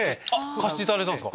貸していただいたんすか？